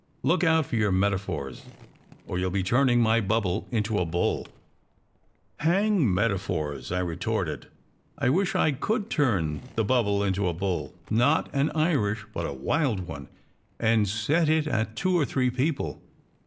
"Look out for your metaphors, or you ll be turning my bubble into a bull !"" Hang metaphors !" I retorted. " I wish I could turn the bubble into a bull, not an Irish, but a wild one, and set it at two or three people.